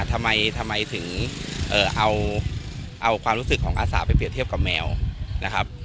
ทำไมถึงเอาความรู้สึกของอาสาไปเรียบเทียบกับแมวนะครับ